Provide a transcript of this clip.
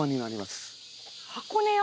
箱根山？